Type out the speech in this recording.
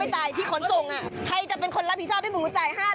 รถมันตีดคุณเข้าใจไหมว่ารถมันตีดคนจะขึ้น